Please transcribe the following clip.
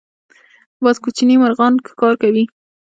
باز کوچني مرغان ښکار کوي